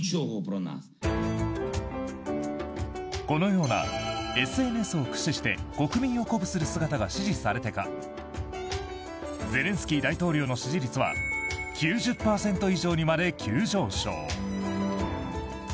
このような、ＳＮＳを駆使して国民を鼓舞する姿が支持されてかゼレンスキー大統領の支持率は９０％以上にまで急上昇。